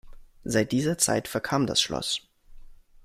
Seit dieser Zeit verkam das Schloss.